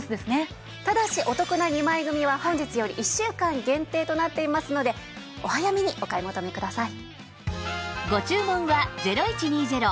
ただしお得な２枚組は本日より１週間限定となっていますのでお早めにお買い求めください。